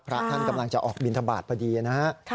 พระท่านกำลังจะออกบินทบาทพอดีนะฮะ